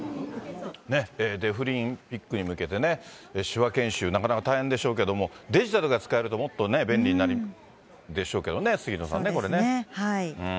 デフリンピックに向けてね、手話研修、なかなか大変でしょうけども、デジタルが使えるともっと便利になるでしょうけどね、杉野さんね、そうですね。